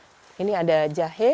tanaman yang digunakan adalah perut